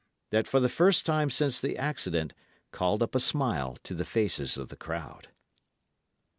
that for the first time since the accident called up a smile to the faces of the crowd.